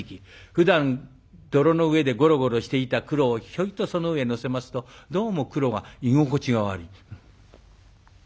ふだん泥の上でゴロゴロしていたクロをひょいとその上へ乗せますとどうもクロが居心地が悪い。